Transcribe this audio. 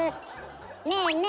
ねえねえ